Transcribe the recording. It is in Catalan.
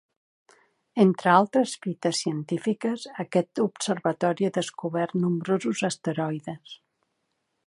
Entre altres fites científiques aquest observatori ha descobert nombrosos asteroides.